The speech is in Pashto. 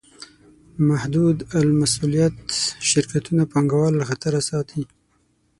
محدودالمسوولیت شرکتونه پانګهوال له خطره ساتي.